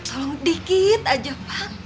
tolong dikit aja pak